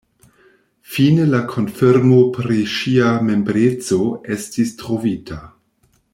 Fine la konfirmo pri ŝia membreco estis trovita.